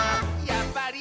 やっぱり！」